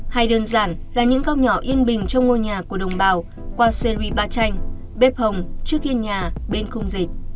hay đơn giản là những góc nhỏ yên bình trong ngôi nhà của đồng bào qua series ba tranh bếp hồng trước yên nhà bên khung dịch